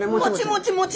もちもち。